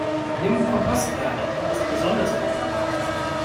Nimm Komposterde, die ist besonders fruchtbar.